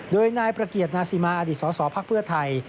โดยนายประเกียรตินาสิมาอดีตสสพักเพื่อไทย